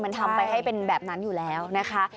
มันทำไปให้เป็นแบบนั้นอยู่แล้วนะคะ